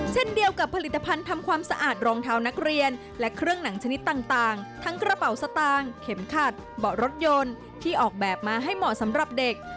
เช่นเดียวกับผลิตภัณฑ์ทำความสะอาดรองเท้านักเรียนและเครื่องหนังชนิดต่างทั้งกระเป๋าสตางค์เข็มขัดเบาะรถยนต์ที่ออกแบบมาให้เหมาะสำหรับเด็ก